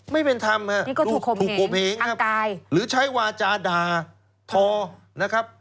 ไม่เป็นธรรมฮะถูกคมเหงอยหรือใช้วาจาด่าทอนะครับ